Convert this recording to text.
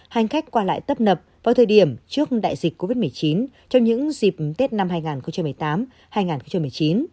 hành khách qua lại tấp nập vào thời điểm trước đại dịch covid một mươi chín trong những dịp tết năm hai nghìn một mươi tám hai nghìn một mươi chín